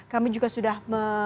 kami juga sudah